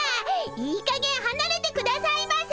いいかげんはなれてくださいませ！